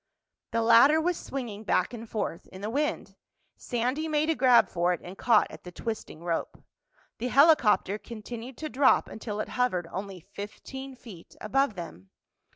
The ladder was swinging back and forth in the wind. Sandy made a grab for it and caught at the twisting rope. The helicopter continued to drop until it hovered only fifteen feet above them.